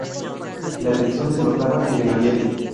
La tensión se notaba en el ambiente.